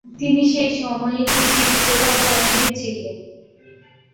তিনি সে সময়ের বিশিষ্ট রসায়নবিদ ছিলেন।